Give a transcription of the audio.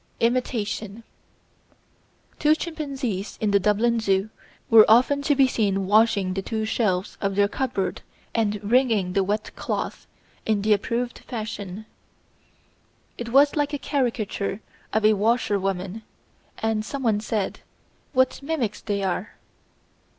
Imitation Two chimpanzees in the Dublin Zoo were often to be seen washing the two shelves of their cupboard and "wringing" the wet cloth in the approved fashion. It was like a caricature of a washerwoman, and someone said, "What mimics they are!"